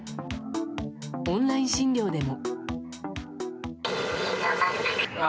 オンライン診療でも。